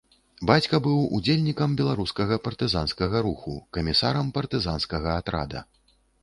Бацька быў удзельнікам беларускага партызанскага руху, камісарам партызанскага атрада.